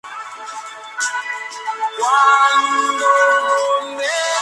La ley prohíbe eliminar esos restos de la isla.